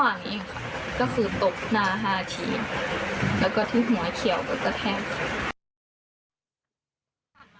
แล้วก็ถึงหมวดเขียวไปกระแทก